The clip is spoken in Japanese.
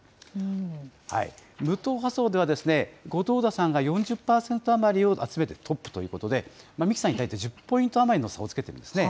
無党派層では、後藤田さんが４０％余りを集めてトップということで、三木さんに大体１０ポイントの差をつけてるんですね。